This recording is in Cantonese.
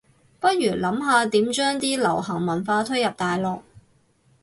不如諗下點將啲流行文化推入大陸